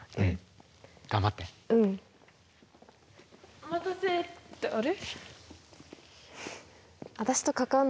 お待たせってあれ？